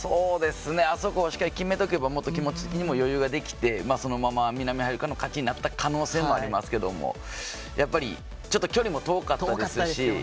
あそこしっかり決めとけばもっと気持ちにも余裕ができてそのまま南アフリカの勝ちになった可能性もありますけどちょっと距離も遠かったですし